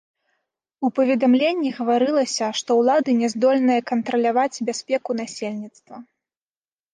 У паведамленні гаварылася, што ўлады не здольныя кантраляваць бяспеку насельніцтва.